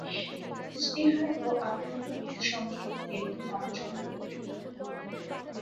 ইজতিহাদ ও আপন অভিমত সংযোজনকে তিনি অপছন্দ করতেন।